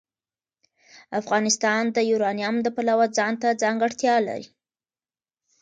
افغانستان د یورانیم د پلوه ځانته ځانګړتیا لري.